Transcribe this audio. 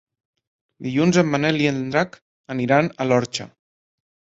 Dilluns en Manel i en Drac aniran a l'Orxa.